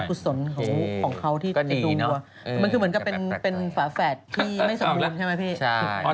กุศลของเขาที่จะดูมันคือเหมือนกับเป็นฝาแฝดที่ไม่สมบูรณ์ใช่ไหมพี่